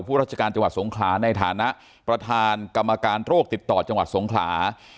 ราชการจังหวัดสงขลาในฐานะประธานกรรมการโรคติดต่อจังหวัดสงขลา